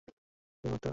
তাকে মারতেও পারি।